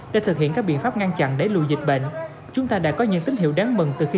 để thực hiện các biện pháp ngăn chặn đẩy lùi dịch bệnh chúng ta đã có những tín hiệu đáng mừng từ khi